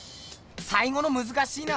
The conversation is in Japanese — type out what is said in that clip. さいごのむずかしいな！